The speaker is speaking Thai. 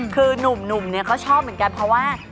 คือนุ่มเนี่ยก็ชอบเหมือนกันเพราะว่า